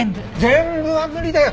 全部は無理だよ！